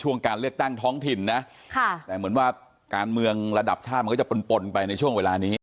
ว่าคุณกำลังตกอยู่ในหลวงพลาดเต็มหรือเปล่า